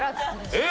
えっ！